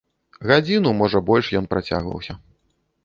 Гадзіну, можа больш ён працягваўся.